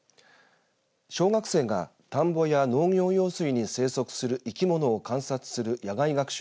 小学生が田んぼや農業用水に生息する生き物を観測する野外学習